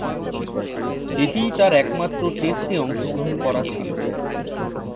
এটিই তার একমাত্র টেস্টে অংশগ্রহণ করা ছিল।